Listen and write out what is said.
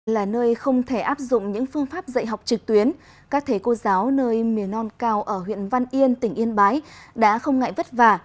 là nơi không thể áp dụng những phương pháp dạy học trực tuyến các thầy cô giáo nơi miền non cao ở huyện văn yên tỉnh yên bái đã không ngại vất vả